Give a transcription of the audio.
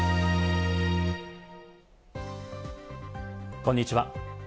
こんにちは。